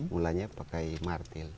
mulanya pakai martil